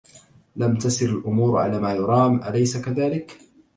لم تسر الأمور على ما يرام، أليس كذلك؟